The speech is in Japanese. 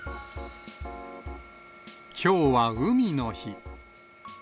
きょうは海の日。